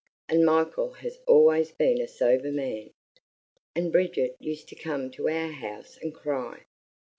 And Michael has always been a sober man. And Bridget used to come to our house and cry.